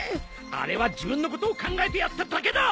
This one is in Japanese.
あれは自分のことを考えてやっただけだ。